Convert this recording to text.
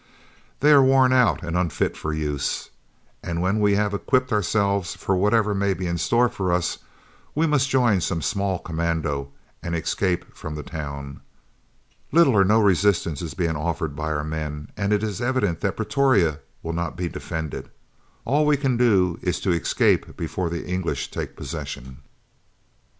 "They are worn out and unfit for use. And when we have equipped ourselves for whatever may be in store for us, we must join some small commando and escape from the town. Little or no resistance is being offered by our men, and it is evident that Pretoria will not be defended. All we can do is to escape before the English take possession."